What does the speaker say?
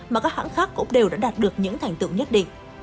mà các hãng khác cũng đều đã đạt được những thành tựu nhất định